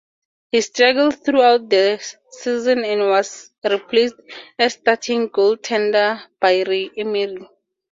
He struggled throughout the season and was replaced as starting goaltender by Ray Emery.